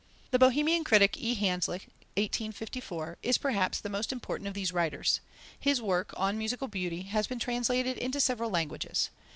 The Bohemian critic E. Hanslick (1854) is perhaps the most important of these writers. His work On Musical Beauty has been translated into several languages.